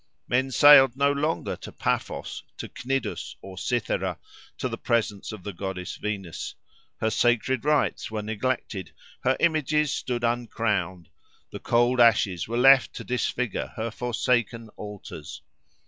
Men sailed no longer to Paphos, to Cnidus or Cythera, to the presence of the goddess Venus: her sacred rites were neglected, her images stood uncrowned, the cold ashes were left to disfigure her forsaken altars.